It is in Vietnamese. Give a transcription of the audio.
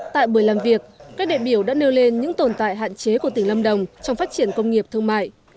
tại buổi làm việc các đại biểu đã nêu lên những tồn tại hạn chế của tỉnh lâm đồng trong phát triển công nghiệp thương mại